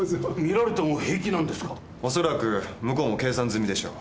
おそらく向こうも計算済みでしょう。